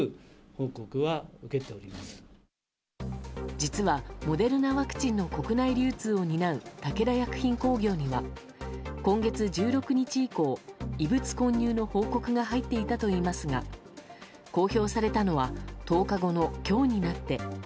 実は、モデルナワクチンの国内流通を担う武田薬品工業には今月１６日以降異物混入の報告が入っていたといいますが公表されたのは１０日後の今日になって。